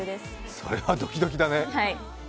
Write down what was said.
それはドキドキだね。